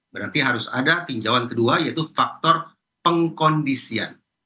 berarti harus ada tinjauan kedua yaitu faktor pengkondisian